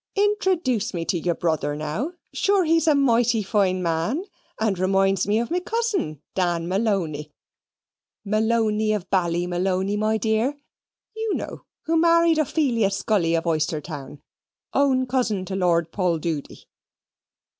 Introduce me to your brother now; sure he's a mighty fine man, and reminds me of me cousin, Dan Malony (Malony of Ballymalony, my dear, you know who mar'ied Ophalia Scully, of Oystherstown, own cousin to Lord Poldoody).